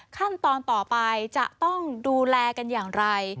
ขั้นตอนต่อไปจะต้องดูแลกันอย่างไร